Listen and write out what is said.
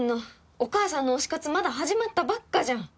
お母さんの推し活まだ始まったばっかじゃん！